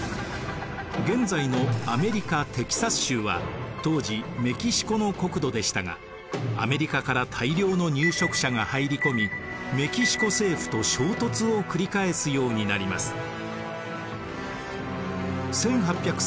現在のアメリカ・テキサス州は当時メキシコの国土でしたがアメリカから大量の入植者が入り込みメキシコ政府と衝突を繰り返すようになります。